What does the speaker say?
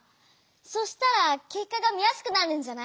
そしたらけっかが見やすくなるんじゃない？